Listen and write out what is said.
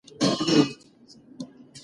ایا په دې سیمه کې د تېلیفون شبکه کار کوي؟